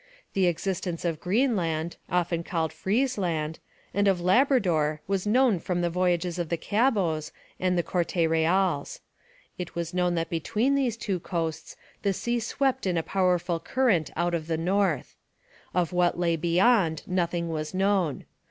The existence of Greenland, often called Frisland, and of Labrador was known from the voyages of the Cabots and the Corte Reals. It was known that between these two coasts the sea swept in a powerful current out of the north. Of what lay beyond nothing was known.